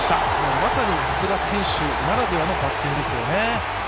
まさに福田選手ならではのバッティングでしたよね。